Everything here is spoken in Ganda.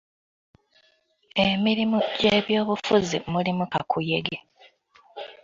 Emirimu gy'ebyobufuzi mulimu kakuyege.